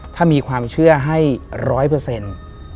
ถ้ามีความเชื่อให้ร้อยเปอร์เซ็นต์